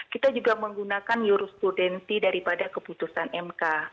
kita juga menggunakan jurisprudensi daripada keputusan mk